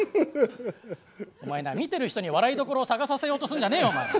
お前な見てる人に笑いどころを探させようとすんじゃねえよ。